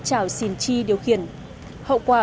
trảo sìn chi điều khiển hậu quả